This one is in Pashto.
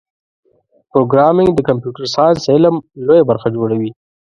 پروګرامېنګ د کمپیوټر ساینس علم لویه برخه جوړوي.